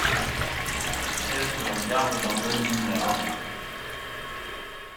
L’hôtesse me regarde d'un œil bizarre.